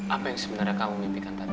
apa yang sebenarnya kamu mimpikan tadi